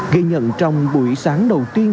gây nhận trong buổi sáng đầu tiên